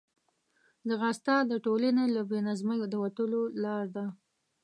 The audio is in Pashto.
ځغاسته د ټولنې له بې نظمۍ د وتلو لار ده